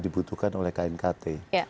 dibutuhkan oleh knkt